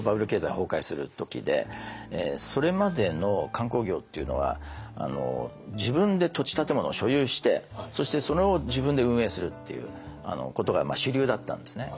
それまでの観光業っていうのは自分で土地建物を所有してそしてそれを自分で運営するっていうことが主流だったんですね。